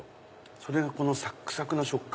それがサックサクの食感。